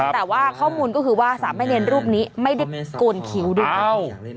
แต่ว่าข้อมูลก็คือว่าสามเณรรูปนี้ไม่ได้โกนคิ้วด้วย